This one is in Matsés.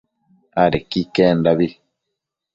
adequi iquendabi